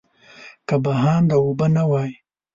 که بهانده اوبه نه وای.